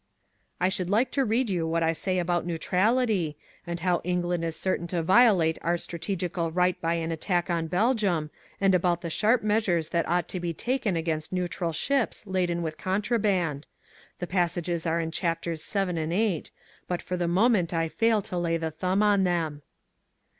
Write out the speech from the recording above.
"I should like to read you what I say about neutrality, and how England is certain to violate our strategical right by an attack on Belgium and about the sharp measures that ought to be taken against neutral ships laden with contraband, the passages are in Chapters VII and VIII, but for the moment I fail to lay the thumb on them."